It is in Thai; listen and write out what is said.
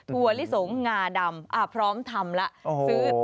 ถั่วลิสงงาดำพร้อมทำแล้วซื้อ